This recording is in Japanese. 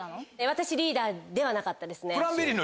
私リーダーではなかったですね。